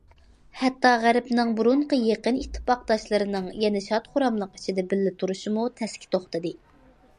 ھەتتا غەربنىڭ بۇرۇنقى يېقىن ئىتتىپاقداشلىرىنىڭ يەنە شاد- خۇراملىق ئىچىدە بىللە تۇرۇشىمۇ تەسكە توختىدى.